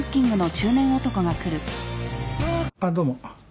あっどうも。